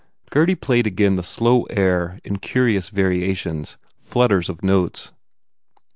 Gurdy played again the slow air in curious variations, flutters of notes.